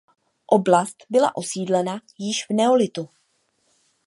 Oblast byla osídlena již v neolitu.